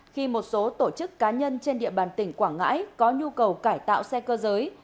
khi một số tổ chức cá nhân trên địa bàn tỉnh quảng ngãi có nhu cầu cải tạo xe cơ giới